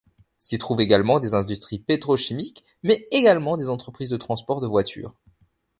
S'y trouvent également des industries pétro-chimiques, mais également des entreprises de transport de voitures.